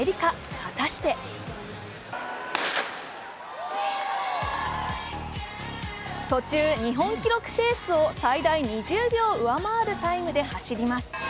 果たして途中、日本記録ペースを最大２０秒上回るタイムで走ります。